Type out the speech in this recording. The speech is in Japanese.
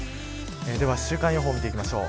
では週間予報見ていきましょう。